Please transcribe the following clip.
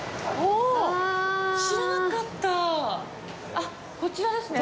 あっこちらですね。